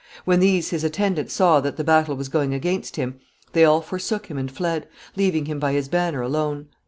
When these his attendants saw that the battle was going against him, they all forsook him and fled, leaving him by his banner alone.